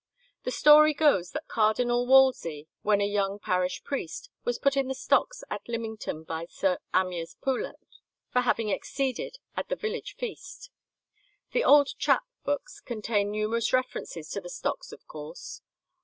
The story goes that Cardinal Wolsey, when a young parish priest, was put in the stocks at Lymington by Sir Amyas Poulett, for having "exceeded" at a village feast. The old "Chap" books contain numerous references to the stocks of course.